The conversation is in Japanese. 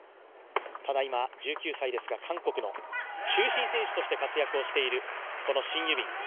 ただ、今、１９歳ですから韓国の中心選手として活躍しているシン・ユビン。